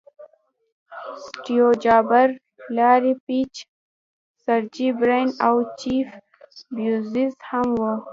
سټیو جابز، لاري پیج، سرجي برین او جیف بیزوز هم وو.